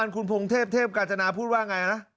คุณพงเทพเทพกาญจนาพูดว่าไงนะ